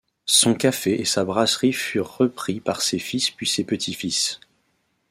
Son café et sa brasserie furent repris par ses fils puis ses petits-fils.